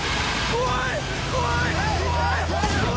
怖い！